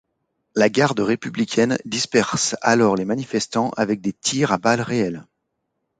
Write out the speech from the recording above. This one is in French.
La garde républicaine disperse alors les manifestants avec des tirs à balles réelles.